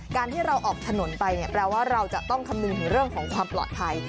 การที่เราออกถนนไปเนี่ยแปลว่าเราจะต้องคำนึงถึงเรื่องของความปลอดภัย